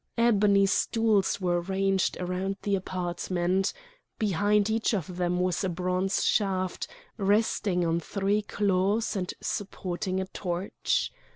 Ebony stools were ranged round the apartment. Behind each of them was a bronze shaft resting on three claws and supporting a torch.